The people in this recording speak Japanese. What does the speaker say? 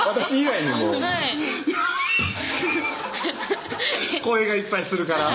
はい声がいっぱいするから？